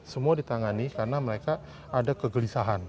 semua ditangani karena mereka ada kegelisahan